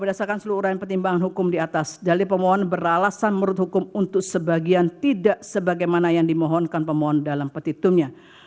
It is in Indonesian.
berdasarkan seluruh uraian pertimbangan hukum di atas dalil pemohon beralasan menurut hukum untuk sebagian tidak sebagaimana yang dimohonkan pemohon dalam petitumnya